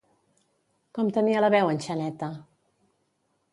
Com tenia la veu en Xaneta?